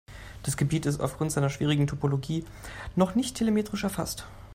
Das Gebiet ist aufgrund seiner schwierigen Topologie noch nicht telemetrisch erfasst.